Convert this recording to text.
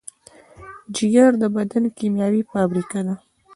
جگر د بدن کیمیاوي فابریکه ده.